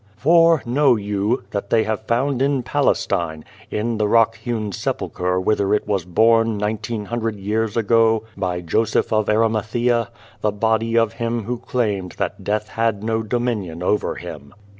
" For know you, that they have found in Palestine, in the rock hewn sepulchre whither 173 The Child, the Wise Man it was borne nineteen hundred years ago by Joseph of Arimatheea, the body of Him who claimed that death had no dominion over Him."